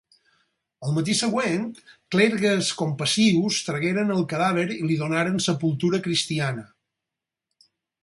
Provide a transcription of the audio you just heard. El matí següent clergues compassius tragueren el cadàver i li donaren sepultura cristiana.